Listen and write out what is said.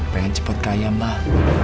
pengen cepet kaya mbah